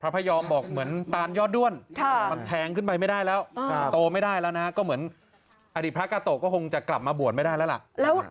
พระกาโตก็คงจะกลับมาบวนไม่ได้แล้วล่ะ